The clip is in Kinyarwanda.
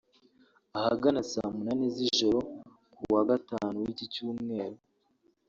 ahagana saa munani z’ijoro kuwa Gatanu w’iki Cyumweru